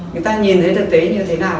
người ta nhìn thấy thực tế như thế nào